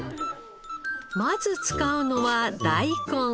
まず使うのは大根。